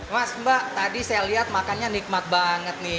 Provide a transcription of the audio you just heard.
mas mbak tadi saya lihat makannya nikmat banget nih